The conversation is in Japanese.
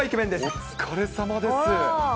お疲れさまです。